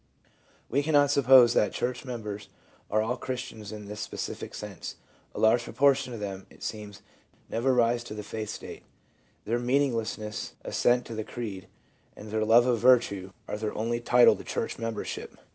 We cannot suppose that church members are all Christians in this specific sense ; a large proportion of them, it seems, never rise to the faith state. Their meaningless assent to the creed and their love of virtue are their only title to church membership.